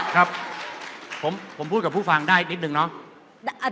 ครับผมพูดกับผู้ฟังได้นิดนึงเนาะ